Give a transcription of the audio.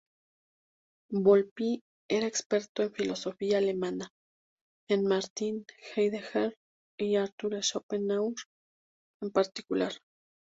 Volpi era experto en filosofía alemana, en Martin Heidegger y Arthur Schopenhauer en particular.